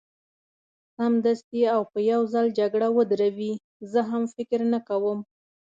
سمدستي او په یو ځل جګړه ودروي، زه هم فکر نه کوم.